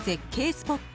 スポット